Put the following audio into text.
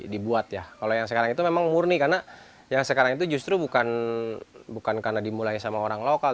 dibuat ya kalau yang sekarang itu memang murni karena yang sekarang itu justru bukan karena dimulai sama orang lokal